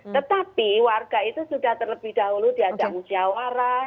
tetapi warga itu sudah terlebih dahulu di ajak musyawarah